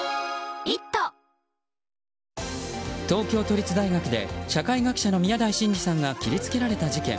東京都立大学で社会学者の宮台真司さんが切り付けられた事件。